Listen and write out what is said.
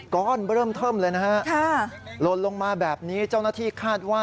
ก้อนเริ่มเทิมเลยนะฮะหล่นลงมาแบบนี้เจ้าหน้าที่คาดว่า